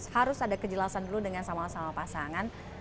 harus ada kejelasan dulu dengan sama sama pasangan